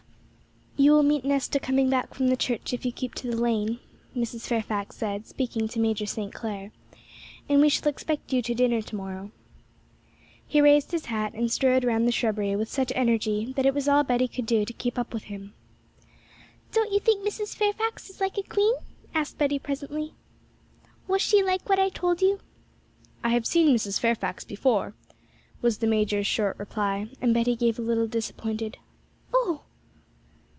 'You will meet Nesta coming back from the church if you keep to the lane,' Mrs. Fairfax said, speaking to Major St. Clair; 'and we shall expect you to dinner tomorrow.' He raised his hat, and strode round the shrubbery with such energy that it was all Betty could do to keep up with him. 'Don't you think Mrs. Fairfax like a queen?' asked Betty presently. 'Was she like what I told you?' 'I have seen Mrs. Fairfax before,' was the major's short reply; and Betty gave a little disappointed 'Oh!'